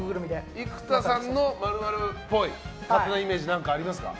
生田さんの○○っぽい勝手なイメージ何かありますか？